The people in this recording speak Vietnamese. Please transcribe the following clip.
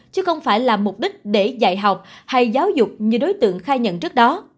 chứ không phải là mục đích để dạy học hay giáo dục như đối tượng khai nhận trước đó